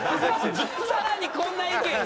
さらにこんな意見が。